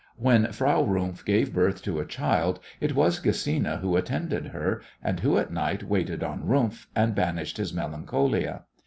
When Frau Rumf gave birth to a child it was Gesina who attended her, and who at night waited on Rumf, and banished his melancholia.